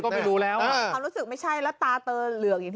ก็ไม่รู้แล้วความรู้สึกไม่ใช่แล้วตาเตอเหลืองอย่างที่